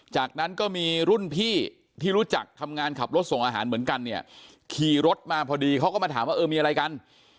จากนั้นก็มีรุ่นพี่ที่รู้จักทำงานขับรถส่งอาหารเหมือนกันเนี่ยขี่รถมาพอดีเขาก็มาถามว่าเออมีอะไรกัน